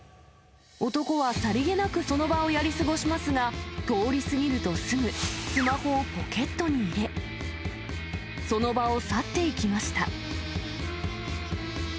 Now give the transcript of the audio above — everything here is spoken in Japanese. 男はさりげなくその場をやり過ごしますが、通り過ぎるとすぐ、スマホをポケットに入れ、その場を去っていきました。